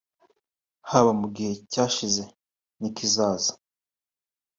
haba mu gihe cyashize n’ikizaza